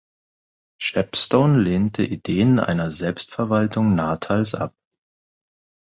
Shepstone lehnte Ideen einer Selbstverwaltung Natals ab.